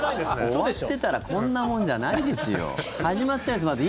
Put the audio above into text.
終わってたらこんなもんじゃないですよ。